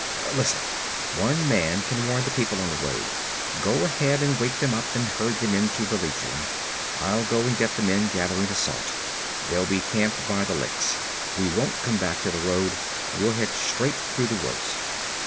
Listen! One man can warn the people on the road. Go ahead and wake them up and herd them into Velitrium. I'll go and get the men gathering the salt. They'll be camped by the licks. We won't come back to the road. We'll head straight through the woods.'